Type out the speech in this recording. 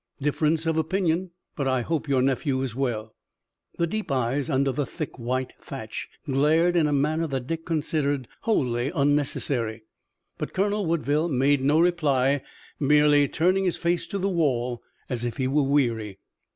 "Difference of opinion, but I hope your nephew is well." The deep eyes under the thick white thatch glared in a manner that Dick considered wholly unnecessary. But Colonel Woodville made no reply, merely turning his face to the wall as if he were weary.